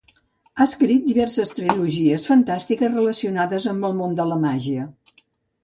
Ha escrit diverses trilogies fantàstiques relacionades amb el món de la màgia.